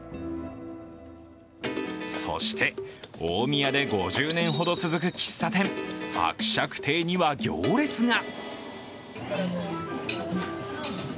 そして、大宮で５０年ほど続く喫茶店、伯爵邸には行列が。